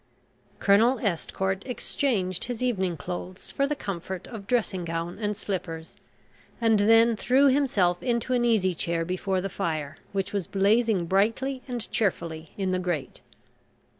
Colonel Estcourt exchanged his evening clothes for the comfort of dressing gown and slippers, and then threw himself into an easy chair before the fire which was blazing brightly and cheerfully in the grate.